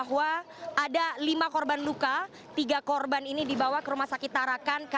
hingga pukul sembilan belas tiga puluh tadi di wilayah slipik